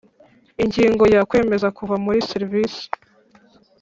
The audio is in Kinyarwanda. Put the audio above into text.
Ingingo ya Kwemeza kuva muri serivisi